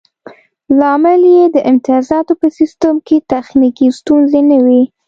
لامل یې د امتیازاتو په سیستم کې تخنیکي ستونزې نه وې